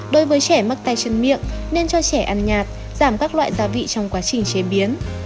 đối với trẻ mắc tay chân miệng nên cho trẻ ăn nhạt giảm các loại gia vị trong quá trình chế biến